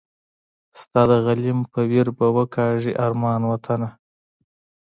ستا د غلیم په ویر به وکاږي ارمان وطنه